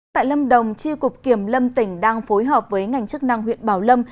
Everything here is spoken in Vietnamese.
tại lâm đồng tri cục kiểm lâm tỉnh đang phối hợp với ngành chức năng huyện bảo lâm